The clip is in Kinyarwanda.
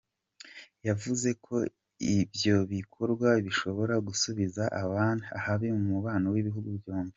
Yavuze ko ibyo bikorwa bishobora gusubiza ahabi umubano w’ibihugu byombi.